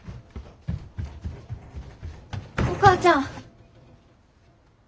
お母ちゃん！